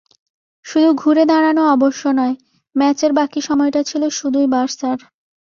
শুধু ঘুরে দাঁড়ানো অবশ্য নয়, ম্যাচের বাকি সময়টা ছিল শুধুই বার্সার।